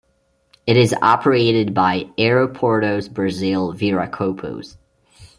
It is operated by Aeroportos Brazil Viracopos.